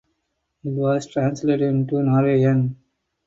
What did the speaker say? It was translated into Norwegian.